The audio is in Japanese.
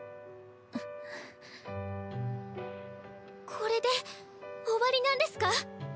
これで終わりなんですか？